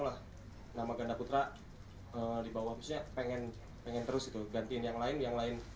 di bawah busnya pengen terus gitu gantiin yang lain yang lain belum bisa ya kita ya harusnya